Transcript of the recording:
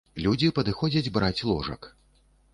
Людзі падыходзяць браць ложак.